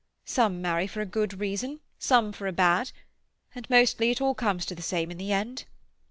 Some marry for a good reason, some for a bad, and mostly it all comes to the same in the end.